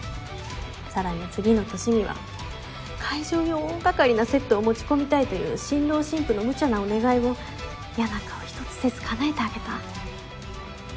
さらに次の年には会場に大掛かりなセットを持ち込みたいという新郎新婦の無茶なお願いを嫌な顔１つせず叶えてあげた。